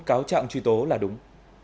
cáo trạng truy tố là đúng